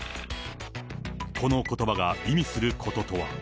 このことばが意味することとは。